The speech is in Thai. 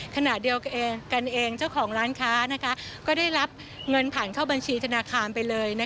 ขณะเดียวกันเองเจ้าของร้านค้าก็ได้รับเงินผ่านเข้าบัญชีธนาคารไปเลย